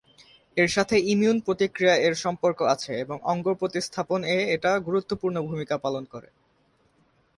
এর সাথে ইমিউন প্রতিক্রিয়া এর সম্পর্ক আছে এবং অঙ্গ প্রতিস্থাপন-এ এটা গুরুত্বপূর্ণ ভূমিকা পালন করে।